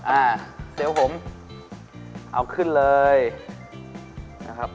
อ่าเดี๋ยวผมเอาขึ้นเลยนะครับ